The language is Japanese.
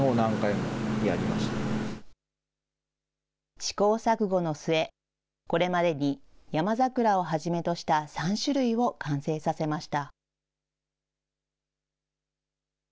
試行錯誤の末、これまでにヤマザクラをはじめとした３種類を完成させました。